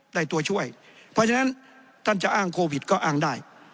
ตัวช่วยเพราะฉะนั้นท่านจะอ้างโควิดก็อ้างได้